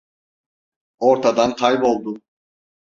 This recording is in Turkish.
Ortadan kayboldu.